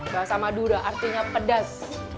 bahasa madura artinya pedas